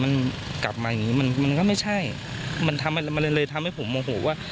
มันกลับมาอย่างนี้มันก็ไม่ใช่มันเลยทำให้ผมโมโหว่ว่า